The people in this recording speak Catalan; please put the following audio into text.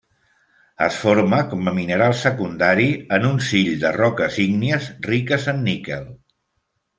Es forma com a mineral secundari en un sill de roques ígnies riques en níquel.